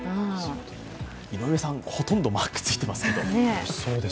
井上さん、ほとんどマークついてますけど。